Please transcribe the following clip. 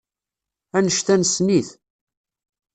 Annect-a nessen-it.